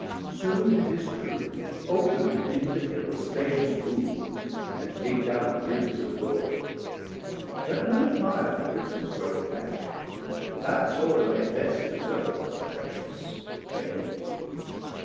Soon had his crew Op'nd into the Hill a spacious wound And dig'd out ribs of Gold. Let none admire 690 That riches grow in Hell; that soyle may best Deserve the pretious bane.